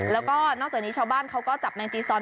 แล้วก็นอกจากนี้ชาวบ้านเขาก็จับแมงจีซอน